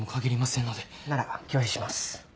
なら拒否します。